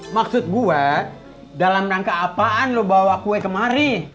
maksud gue dalam rangka apaan lo bawa kue kemari